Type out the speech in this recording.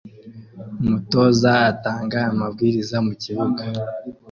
Umutoza atanga amabwiriza mukibuga